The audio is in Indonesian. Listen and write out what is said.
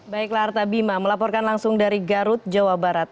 baiklah arta bima melaporkan langsung dari garut jawa barat